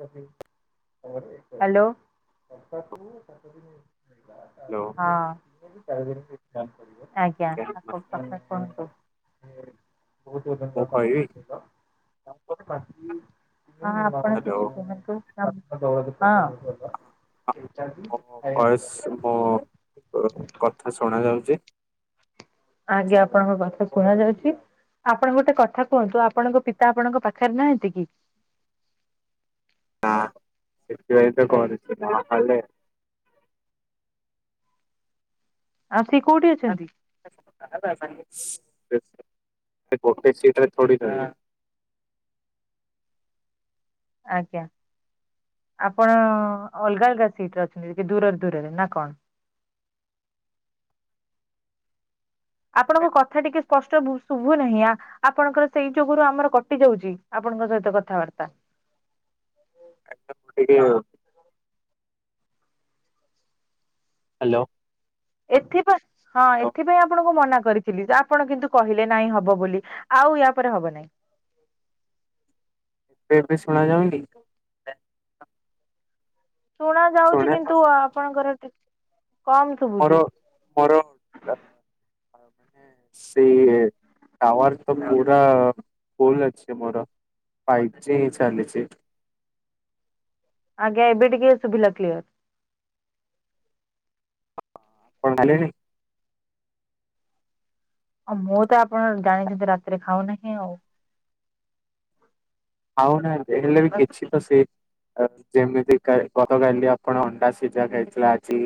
Hello [inaudible] hello ଆଜ୍ଞା ଆ କୁହନ୍ତୁ। ମୁଁ କହିବି [inaudible] ହ୍ୟାଲୋ ହଁ ମୋ ଭୟସ ମୋ କଥା ଶୁଣା ଯାଉଛି? ଆଜ୍ଞା ଆପଣଙ୍କ କଥା ଶୁଣା ଯାଉଛି। ଆପଣ ଗୋଟେ କଥା କୁହନ୍ତୁ ଆପଣଙ୍କ ପିତା ଆପଣଙ୍କ ପାଖରେ ନାହାନ୍ତି କି? [unintelligible] ଆଉ ସିଏ [inaudible] କୋଉଠି ଅଛନ୍ତି? [unintelligible] ସିଟରେ ଥୋଡ଼ି ଆଜ୍ଞା ଆପଣ ଅଲଗା ଅଲଗା ସିଟରେ ଅଛନ୍ତି, ଟିକେ ଦୂରରେ ଦୂରରେ ନା କଣ? [inaudible] ଆପଣଙ୍କ କଥା ଟିକେ ସ୍ପଷ୍ଟ ଶୁଭୁ ନାହିଁ, ଆ ଆପଣଙ୍କର ସେଇ ଯୁଗୁରୁ ଆମର କଟି ଯାଉଛି। ଆପଣଙ୍କ ସହିତ କଥାବାର୍ତ୍ତା [unintelligible] ହ୍ୟାଲୋ। ଏଥିପାଇଁ, ହଁ ଏଥିପାଇଁ ଆପଣଙ୍କୁ ମନା କ କରିଥିଲି ଯେ -ଆପଣ କିନ୍ତୁ କହିଲେ ନାଇଁ ହବ ବୋଲି, ଆଉ ୟା ପରେ ହବ ନାଇଁ [inaudible] ଏବେ [unintelligible] ଶୁଣା ଯାଉନି? ଶୁଣା ଯାଉଛି ଶୁଣେ କିନ୍ତୁ ଆପଣଙ୍କର ଟ କମ୍ ମୋର ଶୁବୁଛି। ମୋର ଅ, ମାନେ ସେଇ ଟାୱାର ତ ପୁରା ଫୁଲ୍ ଅଛି ମୋର। ଫାଇପ୍ ଜି ଚାଲିଛି। ଆଜ୍ଞା। ଏବେ ଟିକେ ଶୁଭିଲା କ୍ଲିୟର। [inaudible] ଆଉ ମୁଁ ତ ଆପଣ ଜାଣିଛନ୍ତି ରାତିରେ ଖାଉ ନାହିଁ ଆଉ। ଖାଉନା ହେଲେ ବି କିଛି ତ ସେ ଯେମିତି ଗତ କାଲି ଆପଣ -ଅଣ୍ଡା ସିଝା ଖାଇଥିଲେ ଆଜି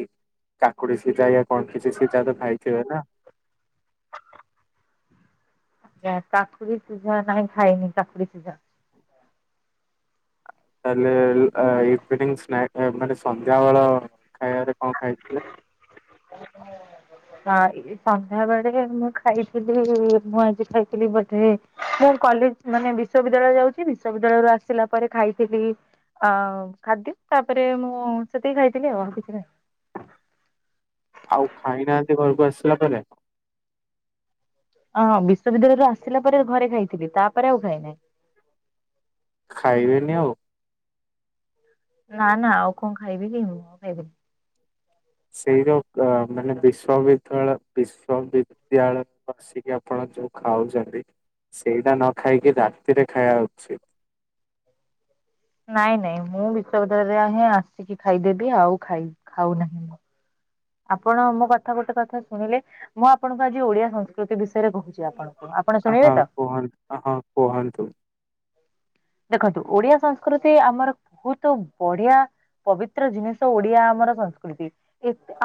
କାକୁଡି ସିଝା, ୟା କଣ କିଛି ସିଝା ତ, ଖାଇଥିବେ ନା? କାକୁଡି ସିଝା, ନାଇଁ ଖାଇନି କାକୁଡି ସିଝା। ତାହଲେ ଇଭିନିଂ ସ୍ନାକ୍ ମାନେ ସନ୍ଧ୍ୟାବେଳ ଖାଇବାରେ କଣ ଖାଇଥିଲେ? [inaudible] ସନ୍ଧ୍ୟା ବେଳେ ମୁଁ ଖାଇଥିଲି, ମୁଁ ଆଜି ଖାଇଥିଲି ବୋଧେ ମୁଁ କଲେଜ ମାନେ ବିଶ୍ୱବିଦ୍ୟାଳୟ ଯାଉଛି, ବିଶ୍ବବିଦ୍ୟାଳୟରୁ ଆସିଲା ପରେ ଖାଇଥିଲି ଆ ଖାଦ୍ୟ ତାପରେ ମୁଁ ସେତିକି ଖାଇଥିଲି ଆଉ କିଛି ନାହିଁ। ଆଉ ଖାଇନାହାନ୍ତି ଘରକୁ ଆସିଲା ପରେ? ହଁ ବିଶ୍ୱବିଦ୍ୟାଳୟରୁ ଆସିଲା ପରେ ଘରେ ଖାଇଥିଲି, ତାପରେ ଆଉ ଖାଇନାହିଁ। ଖାଇବେନି ଆଉ? ନା ନା ଆଉ କଣ ଖାଇବି, ମୁଁ ଆଉ ଖାଇବିନି। ସେଇ ଯଉ ମାନେ ବିଶ୍ୱବିଦ୍ୟାଳୟ ବିଶ୍ଵବିଦ୍ୟାଳୟରେ ଆସିକି ଆପଣ ଯୋଉ ଖାଉଛନ୍ତି ସେଇଟା ନ ଖାଇକି ରାତିରେ ଖାଇବା ଉଚିତ୍। ନାଇଁ ନାଇଁ ମୁଁ ବିଶ୍ୱବିଦ୍ୟାଳୟରୁ ହିଁ ଆସିକି ଖାଇଦେବି ଆଉ ଖାଉ ନାହିଁ ମୁଁ। ଆପଣ ମୋ କଥା ଗୋଟେ କଥା ଶୁଣିଲେ -ମୁଁ ଆପଣଙ୍କୁ ଆଜି ଓଡିଆ ସଂସ୍କୃତି ବିଷୟ କହୁଛି ଆପଣଙ୍କୁ, ଆପଣ ଶୁଣିବେ ହଁ ତ? କୁହନ୍ତୁ ହଁ କୁହନ୍ତୁ ଦେଖନ୍ତୁ ଓଡିଆ ସଂସ୍କୃତି ଆମର ବହୁତ ବଢିଆ। ପବିତ୍ର ଜିନିଷ ଓଡିଆ ଆମର ସଂସ୍କୃତି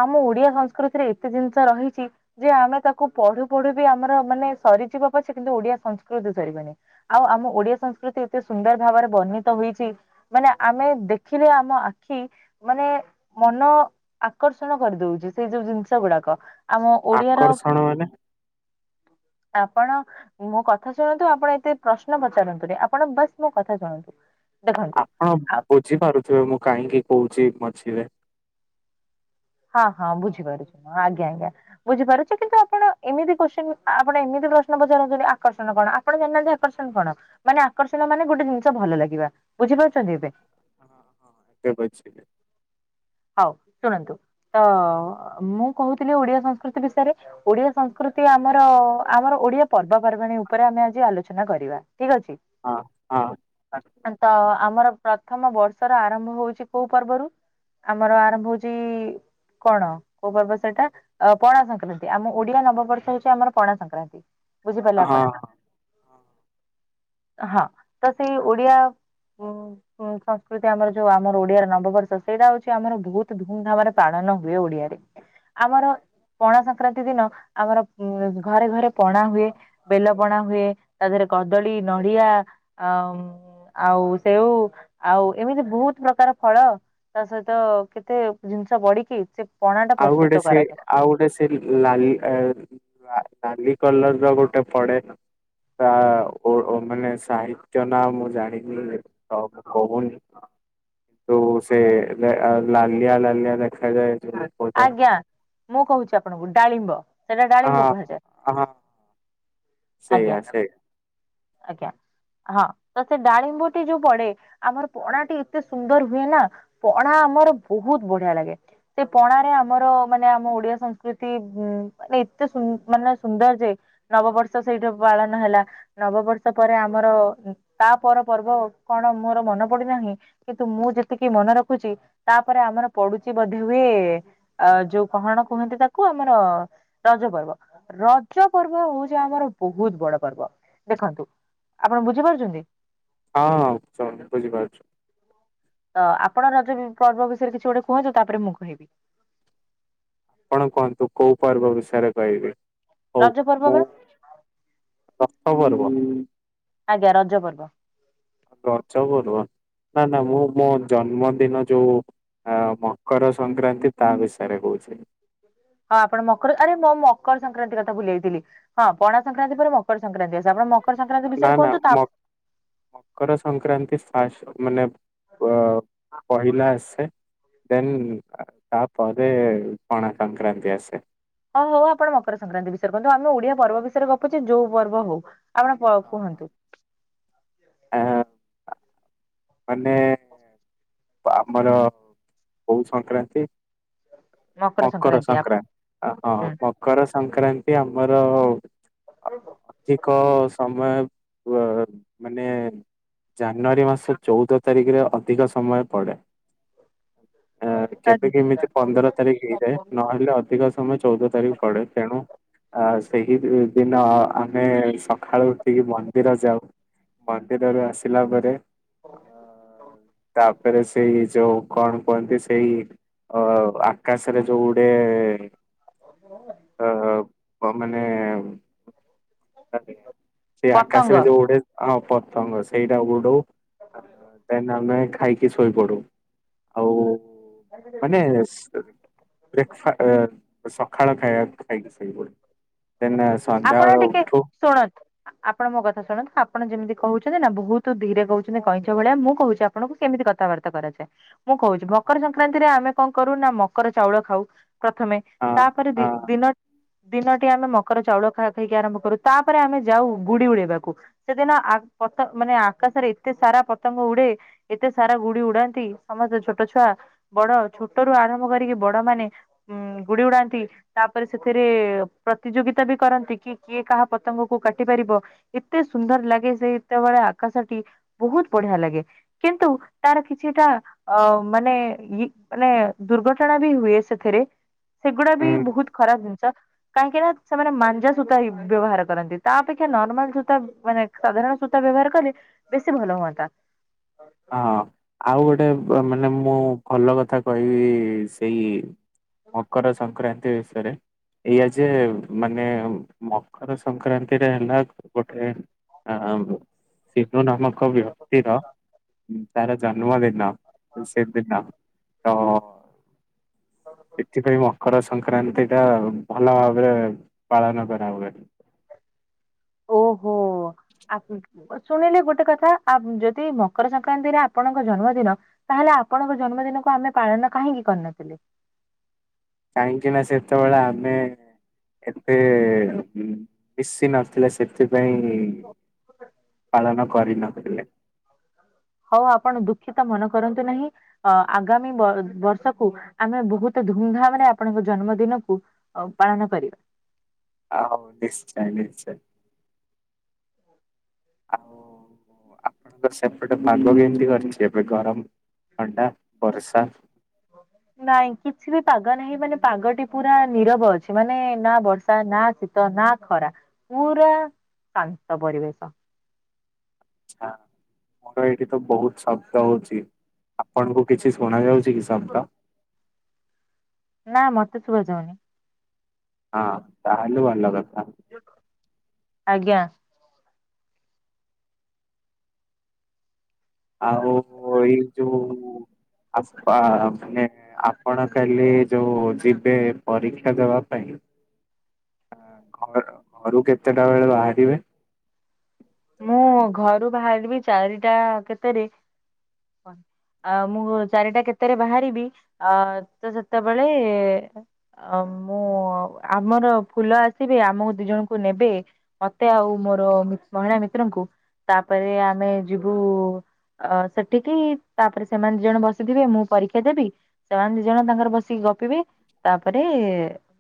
ଆମ ଓଡିଆ ସଂସ୍କୃତିରେ ଏତେ ଜିନିଷ ରହିଛି ଯେ ଆମେ ତାକୁ ପଢୁ ପଢୁ ବି ଆମର ମାନେ ସରିଯିବ ପଛେ କିନ୍ତୁ ଓଡିଆ ସଂସ୍କୃତି ସରିବନି । ଆଉ ଆମ ଓଡିଆ ସଂସ୍କୃତି ଏତେ ସୁନ୍ଦର ଭାବରେ ବର୍ଣ୍ଣିତ ହୋଇଛି ମାନେ ଆମେ ଦେଖିଲେ ଆମ ଆଖି ମାନେ ମନ ଆକର୍ଷଣ କରିଦଉଛି ସେଇ ଯୋଉ ଜିନିଷ ଗୁଡାକ ଆମ ଓଡିଆର ଆକର୍ଷଣ ମାନେ? ଆପଣ ମୋ କଥା ଶୁଣନ୍ତୁ, ଆପଣ ଏତେ ପ୍ରଶ୍ନ ପଚାରନ୍ତୁନି ଆପଣ ବାସ୍ ମୋ କଥା ଶୁଣନ୍ତୁ ଦେଖନ୍ତୁ ଆପଣ ବୁଝିପାରୁଥିବେ, ମୁଁ କାହିଁକି କହୁଛି ମଝିରେ ହଁ ହଁ ବୁଝିପାରୁଛି ଆଜ୍ଞା ଆଜ୍ଞା ବୁଝିପାରୁଛ କିନ୍ତୁ ଆପଣ ଏମିତି କ୍ଚ ଆପଣ ଏମିତି ପ୍ରଶ୍ନ ପଚାର ଆକର୍ଷଣ କଣ ଆପଣ ଜାଣିନାହାନ୍ତି ଆକର୍ଷଣ କଣ ମାନେ ଆକର୍ଷଣ ମାନେ ଗୋଟେ ଜିନିଷ ଭଲ ଲାଗିବ ବୁଝିପାରୁଛନ୍ତି ଏବେ। ହଁ ହଁ ଏକା ବା ହଉ ଶୁଣନ୍ତୁ ତ ମୁଁ କହୁଥିଲି ଓଡିଆ ସଂସ୍କୃତି ବିଷୟରେ ଓଡିଆ ସଂସ୍କୃତି ଆମର ଆମର ଓଡିଆ ପର୍ବପର୍ବାଣୀ ଉପରେ ଆମେ ଆଜି ଆଲୋଚନା କରିବା ଠିକ ଅଛି ହଁ ହଁ। ତ ଆମର ପ୍ରଥମ ବର୍ଷର ଆରମ୍ଭ ହଉଛି କୋଉ ପର୍ବରୁ ଆମର ଆରମ୍ଭ ହଉଛି। କଣ କୋଉ ପର୍ବ ସେଇଟା ପଣା ସଂକ୍ରାନ୍ତି ଆମ ଓଡିଆ ନବବର୍ଷ ହଉଛି ଆମର ପଣା ସଂକ୍ରାନ୍ତି। ବୁଝିପାରିଲେ ଆପଣ ହଁ ହଁ ତ ସେଇ ଓଡିଆ ହଁଁ ସଂସ୍କୃତି ଆମର ଯୋଉ ଆମର ଓଡିଆର ନବବର୍ଷ ସେଇଟା ହଉଛି ଆମର ବହୁତ ଧୁମଧାମରେ ପାଳନ ହୁଏ ଓଡିଆରେ ଆମର ପଣା ସଂକ୍ରାନ୍ତି ଦିନ ଆମର ଉ ଘରେ ଘରେ ପଣା ହୁଏ ବେଲ ପଣା ହୁଏ ତା ଦେହରେ କଦଳୀ ନଡିଆ ଆ ଆଉ ସେଉ ଆଉ ଏମିତି ବହୁତ ପ୍ରକାର ଫଳ ତା ସହିତ କେତେ ଜିନିଷ ବଢିକି ସେ ପଣା ଟା ପ୍ରସ୍ତୁତ ଆଉଡ ସେ କରାଯାଏ ଆଉଡ ସେ ଲାଲ ନାଲି କଲର ର ଗୋଟେ ପଡେନ ତା ମାନେ ସାହିତ୍ୟ ନା ମୁଁ ଜାଣିନି କହୁନି। ତୁ ସେ ଲାଲିଆ ଲାଲିଆ ଦେଖାଯାଏ। ଗୋଟେ ଆଜ୍ଞା ମୁଁ କହୁଛି ଆପଣଙ୍କୁ ଡାଳିମ୍ବ ସେଇଟା ଡାଳିମ୍ବ ହଁ। କୁହାଯାଏ। ହଁ ସେଇଆ ଆଜ୍ଞା ସେଇଆ ଆଜ୍ଞା। ହଁ ତ ସେ ଡାଳିମ୍ବ ଯୋଉ ପଡେ ଆମର ପଣାଟି ଏତେ ସୁନ୍ଦର ହୁଏ ନା ପଣା। ଆମର ବହୁତ ବଢିଆ ଲାଗେ ସେ ପଣ ାରେ ଆମର ମାନେ ଆମ ଓଡିଆ ସଂସ୍କୃତି ଉ ମାନେ ଏତେ ମାନେ ସୁନ୍ଦର ଯେ ନବବର୍ଷ ସେଇଠୁ ପାଳନ ହେଲା ନବବର୍ଷ ପରେ ଆମର ତା ପର ପର୍ବ କଣ? ମୋର ମନ ପଡିନାହିଁ କିନ୍ତୁ ମୁଁ ଯେତିକି ମନେ ରଖୁଛି ତାପରେ ଆମର ପଡୁଛି ବଧ ହୁଏ ଯୋଉ କହଣ କୁହନ୍ତି ତାକୁ ଆମର ରଜ ପର୍ବ ରଜ ପର୍ବ ପର୍ବ ହଉଛି ଆମର ବହୁତ ବଡ ପର୍ବ ଦେଖନ୍ତୁ ଆପଣ ବୁଝିପାରୁଛନ୍ତି। ହଁ ହ ସନ ବୁଝିପାରୁଛୁ ତ ଆପଣ ନଦ ପର୍ବ ବିଷୟରେ କିଛି ଗୋଟେ କୁହନ୍ତୁ ତାପରେ ମୁଁ କହିବି ଆପଣ କୁହନ୍ତୁ କୋଉ ପର୍ବ ବିଷୟରେ କହିବି ରଜ ପର୍ବ ବା ହ ଆଜ୍ଞା ରଜ ପର୍ବ। ଆ ଚରୁ ନ ନା ମୁ ମୁ ଜନ୍ମଦିନ ଯୋଉ ଆ ମକର ସଂକ୍ରାନ୍ତି ତା ବିଷୟରେ କହୁଛି। ହଁ ଆପଣ ମକର ଆରେ ମୁଁ ମକର ସଂକ୍ରାନ୍ତି କଥା ଭୁଲେଇଥିଲି ହଁ ପଣା ସଂକ୍ରାନ୍ତି ପରେ ମକର ସଂକ୍ରାନ୍ତି ଆସ ଆପଣ ମକର ସଂକ୍ରାନ୍ତି ନା ବିଷୟରେ ନା କୁହନ୍ତୁ ତା ମକ ମକର ସଂକ୍ରାନ୍ତି ହ ମାନେ ପହିଲ ଆସେ ଦେନ୍ ତାପ ପଣା ସଂକ୍ରାନ୍ତି ଆସେ [inaudible] ହଁ ହଉ ଆପଣ ମକର ସଂକ୍ରାନ୍ତି ବିଷୟରେ କୁହନ୍ତୁ ଆମେ ଓଡିଆ ପର୍ବ ବିଷୟରେ ଗପଛେ ଯୋଉ ପର୍ବ ହଉ। ଆପଣ କୁହନ୍ତୁ। ଆ ମାନେ। ଆମର ବୋ ସଂକ୍ରାନ୍ତି ମକର ସଂକ୍ରାନ୍ତି ହଁ ମକର ସଂକ୍ରାନ୍ତି ଆମ ଆର ଅଧିକ ସମୟ। ମାନେ ଜାନୁଆରୀ ମାସ ଚଉଦ ତାରିଖରେ ଅଧିକ ସମୟ ପଡ଼େ ହ। କେବେ କେ ଏମିତି ପନ୍ଦର ତାରିଖ ହେଇଯାଏ ନହେଲେ ଅଧିକ ସମୟ ଚଉଦ ତାରିଖ ପଡେ ତେଣୁ ଆ ସେହି ଦିନ ଆମେ ସକାଳୁ ଉଠିକି ମନ୍ଦିର ଯାଉ। ମନ୍ଦିରରେ ଆସିଲା ପରେ ଅ ତାପ ତାପରେ ସେଇ ଯୋଉ କଣ କୁହନ୍ତି ସେଇ ଅ ଆକାଶରେ ଯୋଉ ଗୁଟେ ଅ ମାନେ ସେଇ ପତଙ୍ଗ ଆକାଶରେ ଯୋଉ ଗୋଟେ ହଁ ପତଙ୍ଗ ସେଇଟା ଉଡଉ। ଦେନ୍ ଆମେ ଖାଇକି ଶୋଇପଡୁ ଆଉ। ମାନେ ବ୍ରେକ୍ଫା ଆ ସକାଳ ଖାଇ ଖାଇକି ଶଇ ପଡୁ ଦେନ ସନ୍ଧ୍ୟାବେେଳ ଉଠ ଶୁଣନ୍ତ ଆପଣ ମୋ କଥା ଶୁଣନ୍ତୁ ଆପଣ ଯେମିତି କହୁଛନ୍ତି ନା ବହୁତ ଧୀରେ କହୁଛନ୍ତି କଇଁଛ ଭଳିଆ ମୁଁ କହୁଛି ଆପଣଙ୍କୁ କେମିତି କଥାବାର୍ତା କରାଯାଏ। ମୁଁ କହୁଛି ମକର ହଁ ସଂକ୍ରାନ୍ତିରେ ଆମେ କଣ କରୁ ନା ମକର ଚାଉଳ ଖାଉ। ପ୍ରଥମେ ତାପରେ ହଁ ଦିନ ଦିନ ଆମେ ମକର ଚାଉଳ ଖ ଖାଇକି ଆରମ୍ଭ କରୁ ତାପରେ ଆମେ ଯାଉ ଗୁଡି ଉଡେଇବାକୁ ସେଦିନ ଆ ପତ ମାନେ ଆକାଶରେ ଏତେ ସାରା ପତଙ୍ଗ ଉଡେ ଏତେ ସାରା ଗୁଡି ଉଡାନ୍ତି ସମସ୍ତେ ଛୋଟ ଛୁଆ ବଡ ଛୋଟ ରୁ ଆରମ୍ଭ କରିକି ବଡ ମାନେ ଉ ଗୁଡି ଉଡାନ୍ତି ତାପରେ ସେଥିରେ ପ୍ରତିଯୋଗିତା ବି କରନ୍ତି କି କିଏ କାହା ପତଙ୍ଗ କ କାଟି ପାରିବ ଏତେ ସୁନ୍ଦର ଲାଗେ ସେ ଯେତେବେଳେ ଆକାଶ ଟି ବହୁତ ବଢିଆ ଲାଗେ କିନ୍ତୁ ତାର କିଛିଟା ଅ ମାନେ ଇ ମାନେ ଦୁର୍ଘଟଣା ବି ହୁଏ ସେଥିରେ ସେଗୁଡା ବି ହୁଁ ବହୁତ ଖରାପ ଜିନିଷ। କାହିଁକି ନା ସେମାନେ ମାଞ୍ଜା ସୂତା ବ୍ୟବହାର କରନ୍ତି, ତା ଅପେକ୍ଷା ନର୍ମାଲ ସୂତା ମାନେ ସାଧାରଣ ସୂତା ବ୍ୟ ବ୍ୟବହାର କଲେ ବେଶୀ ଭଲ ହୁଅନ୍ତା ହଁ। ଆଉ ଗୋଟେ ମାନେ ମୁଁ ଭଲ କଥା କହିବି ସେଇ ମକର ସଂକ୍ରାନ୍ତି ବିସୟରେ ଏଇଆ ଯେ ମାନେ ମକର ସଂକ୍ରାନ୍ତିରେ ହେଲା ଗୋଟେ ଆ ସିଂଧୁ ନାମକ ବ୍ୟକ୍ତିର। ତାର ଜନ୍ମ ଦିନ ଶି ଦିନ। ତ ସେଥିପାଇଁ ମକର ସଂକ୍ରାନ୍ତି ଟା ଭଲ ଭାବରେ ପାଳନ କରା ହୁଏ। ଓହୋ। [unintelligible] ଶୁଣିଲି ଗୋଟେ କଥା ଆ ଯଦି ମକର ସଂକ୍ରାନ୍ତିରେ ଆପଣଙ୍କ ଜନ୍ମଦିନ ତାହେଲେ ଆ ଆପଣଙ୍କ ଜନ୍ମଦିନକୁ ଆମେ ପାଳନ କାହିଁକି କରିନଥିଲେ? କାହିଁକି ନା ସେତେବେଳେ ଆମେ ଏତେ ମିଶି ନଥିଲା ସେତେ ପାଇଁ ପାଳନ କରିନଥିଲେ। ଆଉ ଆପଣ ଦୁଃଖିତ ମନ କରନ୍ତୁ ନାହିଁ ଆଗାମୀ ବ ବର୍ଷକୁ ଆମେ ବହୁତ ଧମ ଧାମ ରେ ଆପଣଙ୍କ ଜନ୍ମଦିନକୁ ପାଳନ କରିବା। ହଉ ନିଶ୍ଚୟ ନିଶ୍ଚୟ। ଆଉ ଆପଣଙ୍କ ସେପଟେ ମାଗ କେମିତି କରିଛି? ଏପଟେ ଗରମ ଥଣ୍ଡା, ବର୍ଷା । ହଁ। ନାଇଁ କିଛି ବି ପାଗ ନାହିଁ ମାନେ ପାଗଟି ପୁରା ନିରବ ଅଛି ମାନେ ନା ବର୍ଷା ନା ଶୀତ ନା ଖରା ପୁରା ଶାନ୍ତ ପରିବେଶ। ହଁ। ମୋର ଏଇଠି ତ ବହୁତ ଶବ୍ଦ ହଉଛି ଆପଣଙ୍କୁ କିଛି ଶୁଣା ଯାଉଛି କି ଶବ୍ଦ? ନା ମତେ ଶୁଭାଯାଉନି। ହଁ ତାହେଲେ ଭଲ କ ଆଜ୍ଞା। ଆଉ ଏଇ ଯୋଉ ଆପା ମାନେ ଆପଣ କାଲି ଯୋଉ ଯିବେ ପରୀକ୍ଷା ଦବା ପାଇଁ ହ ଆ ଘର ଘରୁ କେତେଟା ବେଳେ ବାହାରିବେ? ମୁଁ ଘରୁ ବାହାରିବି ଚାରିଟା କେତେରେ। ଆ ମୁଁ ଚାରିଟା କେତେରେ ବାହାରିବି ଅ ତ ସେତେବେଳେ ମୁଁ ଆମର ଫୁଲ ଆସିବେ ଆମକୁ ଦି ଜଣଙ୍କୁ ନେବେ ମତେ ଆଉ ମୋର ମହିଳା ମିତ୍ରଙ୍କୁ ତାପରେ ଆମେ ଯିବୁ ଅ ସେଠିକି ତାପରେ ସେମାନେ ଦି ଜଣ ବସିଥିବେ ମୁଁ ପରୀକ୍ଷା ଦେବି ସେମାନେ ଦି ଜଣ ତାଙ୍କର ବସିକି ଗପିବେ ତାପରେ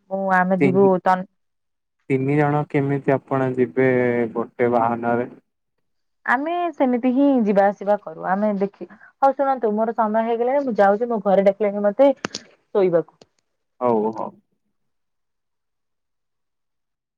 ମୁଁ ଆମେ ଯିବୁ ତିନି ତିନି ଜଣ କେମିତି ଆପଣ ଯିବେ ଏବେ ଗୋଟେ ବାହାନରେ ଆମେ ସେମିତି ହିଁ ଯିବା ଆସିବା କରୁ ଆମେ ଦେଖି ହଉ ଶୁଣନ୍ତୁ ମୋର ସମୟ ହେଇଗଲା ମୁଁ ଯାଉଛି। ଁ ଘରେ ଡାକିଲାଣି ମତେ ଶୋଇବାକୁ। ହଉ ହଉ।